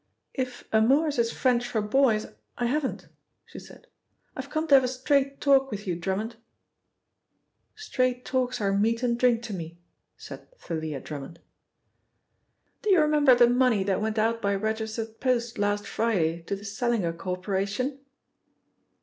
"If amours is French for boys, I haven't," she said. "I've come to have a straight talk with you, Drummond." "Straight talks are meat and drink to me," said Thalia Drummond. "Do you remember the money that went out by registered post last Friday to the Sellinger Corporation?"